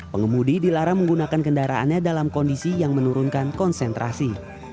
pengemudi dilarang menggunakan kendaraannya dalam kondisi yang menurunkan konsentrasi